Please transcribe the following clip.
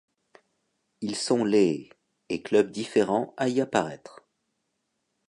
Ils sont les et clubs différents à y apparaître.